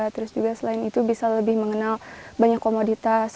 terus juga selain itu bisa lebih mengenal banyak komoditas